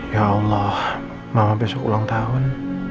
ya allah malam besok ulang tahun